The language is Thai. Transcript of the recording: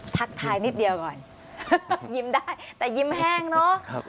ทักทายนิดเดียวก่อนยิ้มได้แต่ยิ้มแห้งเนาะ